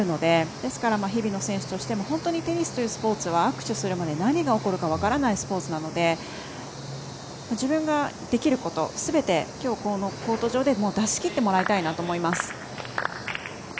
ですから日比野選手は本当にテニスというスポーツはアクションするまで何が起こるか分からないスポーツなので自分ができることすべてきょう、コート上で出しきってもらいたいなと思います。